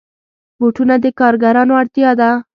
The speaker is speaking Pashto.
بوټونه د کارګرانو اړتیا ده.